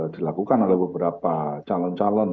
dilakukan oleh beberapa calon calon